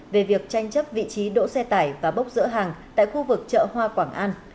về việc tranh chấp vị trí đỗ xe tải và bốc rỡ hàng tại khu vực chợ hoa quảng an